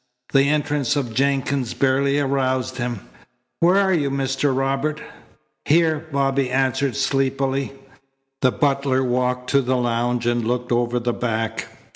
The entrance of Jenkins barely aroused him. "Where are you, Mr. Robert?" "Here," Bobby answered sleepily. The butler walked to the lounge and looked over the back.